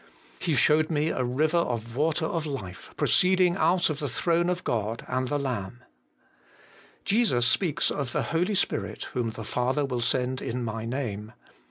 ' He showed me a river of water of life proceeding out of the throne of God and the Lamb.' Jesus speaks of ' the Holy Spirit, whom the Father will send in my Name.'